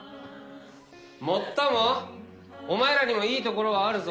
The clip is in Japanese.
もっともお前らにもいいところはあるぞ。